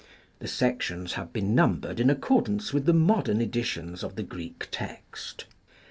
The sections have been numbered in accordance with the modern editions of the Greek text.